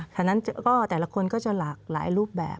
ฉะนั้นก็แต่ละคนก็จะหลากหลายรูปแบบ